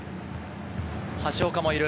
橋岡もいる。